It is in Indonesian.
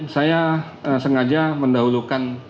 saya sengaja mendahulukan